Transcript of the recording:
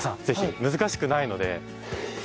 ぜひ難しくないので。